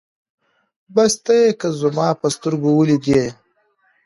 بس ته يې که زما په سترګو وليدې